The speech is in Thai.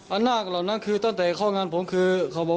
อ่านนากอะไรนั้นคือตั้งแต่ข้องงานของผมคือ